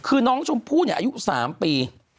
คือน้องชมพู่เนี่ยอายุ๓ปี